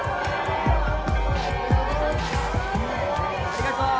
ありがとう。